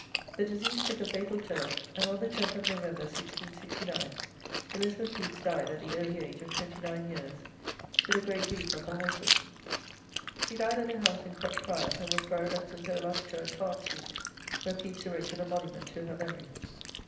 The disease took a fatal turn, and on the 10th of November, 1669, Elizabeth Pepys died at the early age of twenty nine years, to the great grief of her husband. She died at their house in Crutched Friars, and was buried at St. Olave's Church, Hart Street, where Pepys erected a monument to her memory.